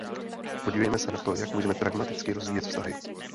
Podívejme se na to, jak můžeme pragmaticky rozvíjet vztahy.